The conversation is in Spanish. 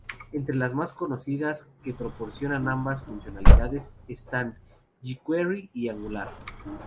Entre las más conocidas que proporcionan ambas funcionalidades, están jQuery y Angular.